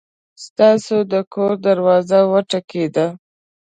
ستاسو د کور دروازه وټکېده!